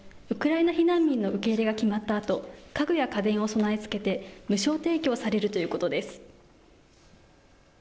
ウクライナ避難民の受け入れが決まったあと家具や家電を備え付けて無償提供されるということです。